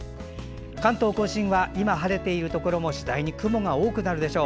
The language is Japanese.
関東・甲信は今は晴れているところも次第に雲が多くなるでしょう。